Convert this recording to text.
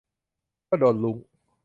ก็โดนรุ้ง